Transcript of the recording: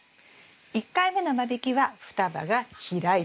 １回目の間引きは双葉が開いたら。